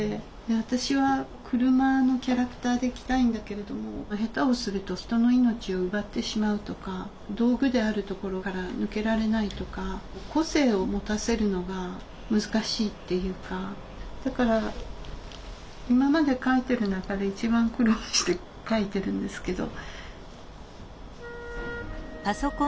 私は車のキャラクターでいきたいんだけれども下手をすると人の命を奪ってしまうとか道具であるところから抜けられないとか個性を持たせるのが難しいっていうかだから今まで書いてる中で一番苦労して書いてるんですけど。